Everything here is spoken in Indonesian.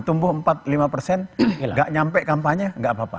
tumbuh empat lima persen nggak nyampe kampanye gak apa apa